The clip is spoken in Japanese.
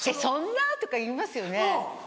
「そんな！」とか言いますよね。